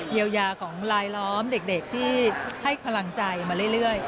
เยียวยาของลายล้อมเด็กที่ให้กำลังใจมาเรื่อย